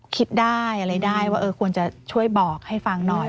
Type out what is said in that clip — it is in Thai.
คิดได้อะไรได้ว่าควรจะช่วยบอกให้ฟังหน่อย